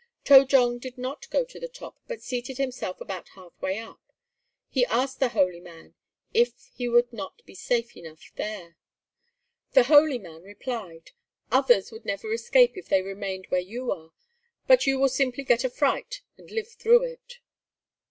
To jong did not go to the top, but seated himself about half way up. He asked the "holy man" if he would not be safe enough there. The "holy man" replied, "Others would never escape if they remained where you are, but you will simply get a fright and live through it."